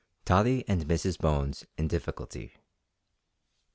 TOTTIE AND MRS. BONES IN DIFFICULTY.